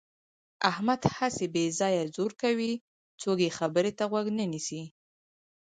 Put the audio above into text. احمد هسې بې ځایه زور کوي. څوک یې خبرې ته غوږ نه نیسي.